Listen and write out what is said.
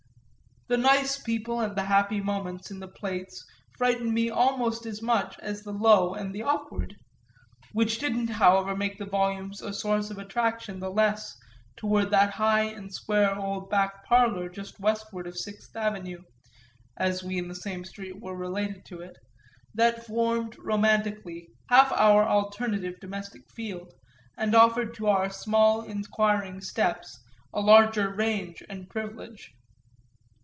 The nice people and the happy moments, in the plates, frightened me almost as much as the low and the awkward; which didn't however make the volumes a source of attraction the less toward that high and square old back parlour just westward of Sixth Avenue (as we in the same street were related to it) that formed, romantically, half our alternative domestic field and offered to our small inquiring steps a larger range and privilege.